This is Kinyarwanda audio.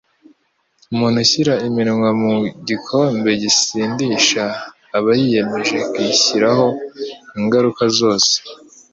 Umuntu ushyira iminwa mu gikombe gisindisha aba yiyemeje kwishyiraho ingaruka zose